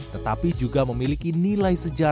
tetapi juga memiliki nilai sejarah